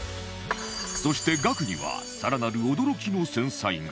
そしてガクには更なる驚きの繊細が